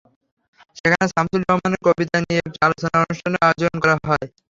সেখানে শামসুর রাহমানের কবিতা নিয়ে একটি আলোচনা অনুষ্ঠানের আয়োজন করা হয়।